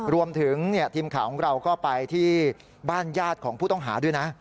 รวมถึงทีมข่าวของเราก็ไปที่บ้านญาติของผู้ต้องหาด้วยนะ